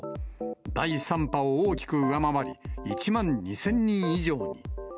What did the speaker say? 第３波を大きく上回り、１万２０００人以上に。